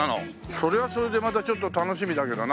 それはそれでまたちょっと楽しみだけどな。